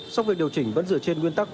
sau việc điều chỉnh vẫn dựa trên nguyên tắc